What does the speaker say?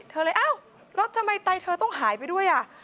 เธอเลยอ้าวแล้วทำไมไตเธอต้องหายไปด้วยอ่ะ